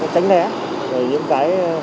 tránh né những cái